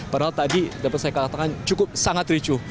padahal tadi dapat saya katakan cukup sangat ricuh